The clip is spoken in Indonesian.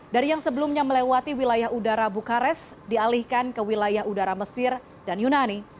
dari yang sebelumnya melewati wilayah udara bukares dialihkan ke wilayah udara mesir dan yunani